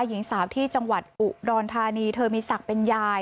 หญิงสาวที่จังหวัดอุดรธานีเธอมีศักดิ์เป็นยาย